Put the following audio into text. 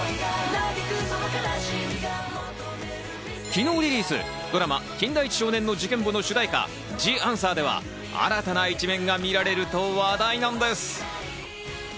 昨日リリース、ドラマ『金田一少年の事件簿』の主題歌『ＴｈｅＡｎｓｗｅｒ』では、新たな一面が見られると話題なんです。